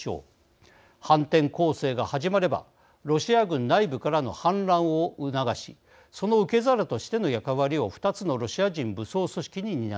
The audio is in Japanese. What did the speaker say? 反転攻勢が始まればロシア軍内部からの反乱を促しその受け皿としての役割を２つのロシア人武装組織に担わせる。